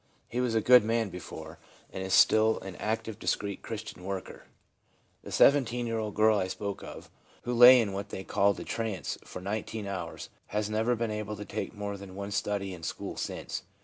He was a good man before, and is still an active, discreet Christian worker. The seven teen year old girl I spoke of, who lay in what they called a trance for nineteen hours, has never been able to take more than one study in school since.